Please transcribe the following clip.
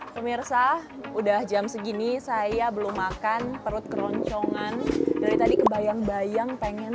pemirsa udah jam segini saya belum makan perut keroncongan dari tadi kebayang bayang pengen